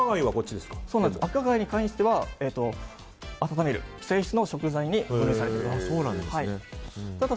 赤貝に関しては温める性質の食品に分類されると。